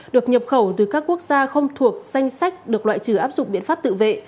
được nhập khẩu từ các quốc gia không thuộc danh sách được loại trừ áp dụng biện pháp tự vệ